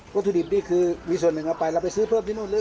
วัตถุดิบนี่คือมีส่วนหนึ่งออกไปแล้วไปซื้อเพิ่มที่นู้น